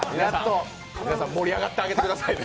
皆さん、盛り上がってあげてくださいね。